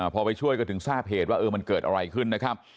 พอไปช่วยก็ถึงทราบเหตุว่ามันเกิดอะไรขึ้นนะครับ